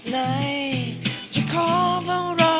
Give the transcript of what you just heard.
ขอบคุณค่ะ